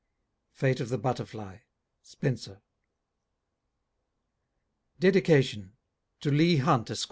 Fate of the Butterfly. SPENSER. DEDICATION. TO LEIGH HUNT, ESQ.